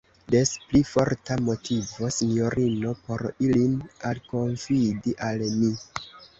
Des pli forta motivo, sinjorino, por ilin alkonfidi al mi.